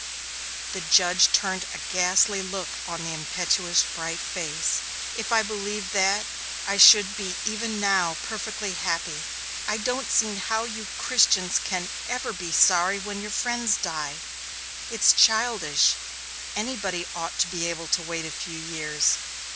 The judge turned a ghastly look upon the impetuous, bright face. "If I believed that, I should be even now perfectly happy. I don't see how you Christians can ever be sorry when your friends die it's childish; anybody ought to be able to wait a few years.